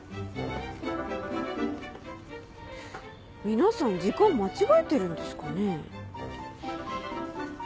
皆さん時間間違えてるんですかね。